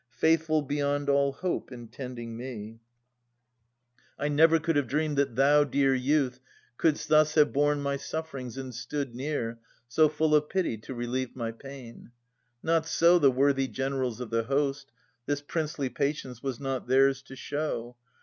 Faithful beyond all hope in tending me! 298 Philoctetes [869 895 I never could have dreamed that thou, dear youth, Couldst thus have borne my sufferings and stood near So full of pity to relieve my pain. Not so the worthy generals of the host ;— This princely patience was not theirs to show.